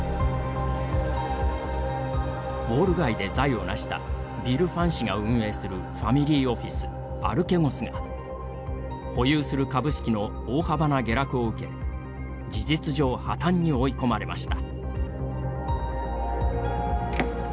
ウォール街で財をなしたビル・ファン氏が運営するファミリーオフィスアルケゴスが保有する株式の大幅な下落を受け事実上破綻に追い込まれました。